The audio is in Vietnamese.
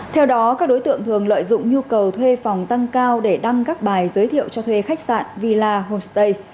theo đó các đối tượng thường lợi dụng nhu cầu thuê phòng tăng cao để đăng các bài giới thiệu cho thuê khách sạn villa homestay